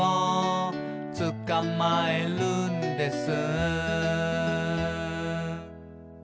「つかまえるんです」